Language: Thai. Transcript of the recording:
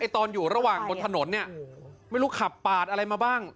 ตอนอยู่ระหว่างบนถนนเนี่ยไม่รู้ขับปาดอะไรมาบ้าง